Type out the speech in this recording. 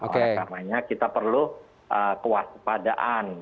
karena kita perlu kewaspadaan